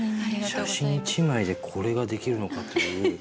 写真一枚でこれができるのかという。